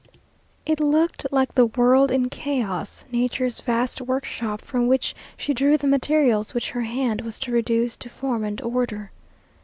It looked like the world in chaos nature's vast workshop, from which she drew the materials which her hand was to reduce to form and order.